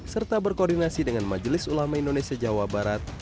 serta berkoordinasi dengan majelis ulama indonesia jawa barat